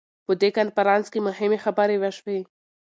په دې کنفرانس کې مهمې خبرې وشوې.